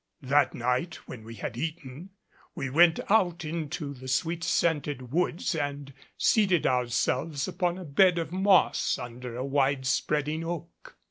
That night when we had eaten, we went out into the sweet scented woods and seated ourselves upon a bed of moss under a wide spreading oak.